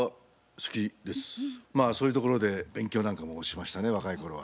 まあそういうところで勉強なんかもしましたね若い頃は。